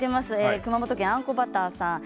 熊本県の方からです。